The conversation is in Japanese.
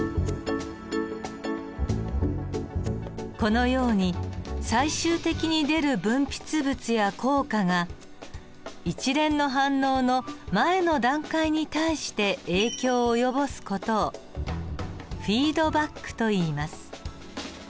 このように最終的に出る分泌物や効果が一連の反応の前の段階に対して影響を及ぼす事をフィードバックといいます。